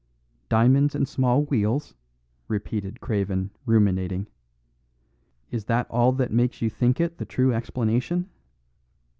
"Diamonds and small wheels," repeated Craven ruminating. "Is that all that makes you think it the true explanation?"